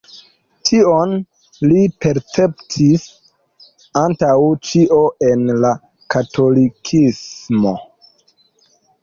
Tion li perceptis antaŭ ĉio en la katolikismo.